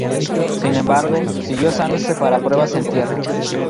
Sin embargo, siguió usándose para pruebas en tierra.